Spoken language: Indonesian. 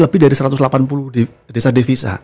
lebih dari satu ratus delapan puluh desa devisa